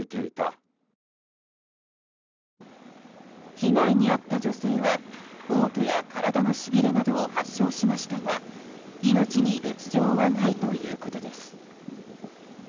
被害に遭った女性は嘔吐や体のしびれなどを発症しましたが命に別条はないということです。